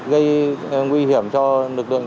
gây nguy hiểm cho lực lượng